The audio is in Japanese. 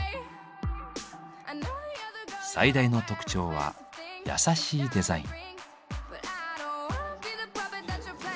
最大の特徴は優しいデザイン。